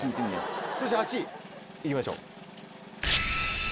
そして８位行きましょう。